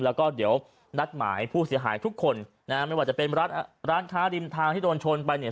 เพราะเดี๋ยวนัดหมายผู้เสียหายทุกคนไม่ว่าจะเป็นร้านค้าดิมทางที่โดนชนไปเนี่ย